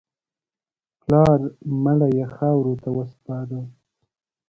پلار مړی یې خاورو ته وسپاره.